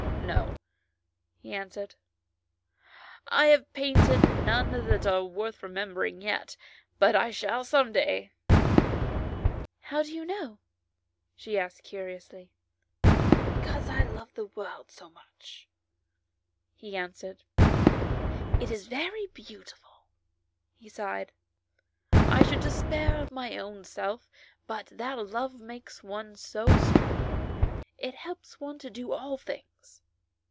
"No" he answered, "I have painted none that are worth remembering yet, but I shall some day." " How do you know ?" she asked curiously. " Because I love the world so much," he answered ; 68 ANYHOW STORIES. [STORY " it is very beautiful," he sighed. " I should despair of my own self, but that love makes one so strong ; it helps one to do all things."